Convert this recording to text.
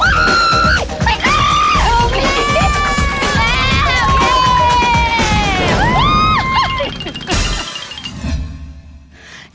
ไปแล้วแย่